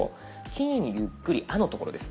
キーにゆっくり「あ」の所です。